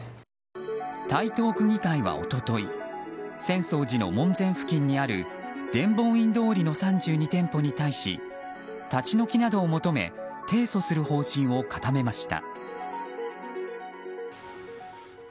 台東区議会は一昨日浅草寺の門前付近にある伝法院通りの３２店舗に対し立ち退きなどを求め提訴する方針を固めました。